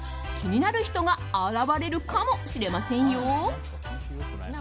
気になる人が現れるかもしれませんよ。